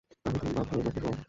আমি তোমার বাপ হয়, লক্ষী সোনা।